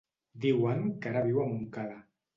Diuen que ara viu a Montcada.